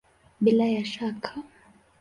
Bila ya shaka!